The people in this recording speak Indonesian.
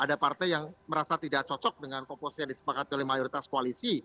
ada partai yang merasa tidak cocok dengan komposisi yang disepakati oleh mayoritas koalisi